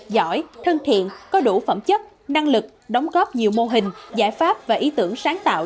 giỏi thân thiện có đủ phẩm chất năng lực đóng góp nhiều mô hình giải pháp và ý tưởng sáng tạo